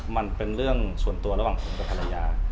มันเป็นเรื่องส่วนตัวระหว่างผมกับภรรยา